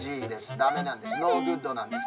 ダメなんです。